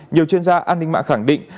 nhiều chuyên gia an ninh mạng khẳng định